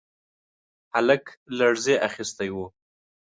هلک لړزې اخيستی و.